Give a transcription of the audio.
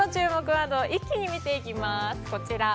ワード一気に見ていきます。